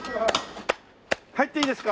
入っていいですか？